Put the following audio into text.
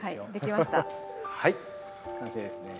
はい完成ですね。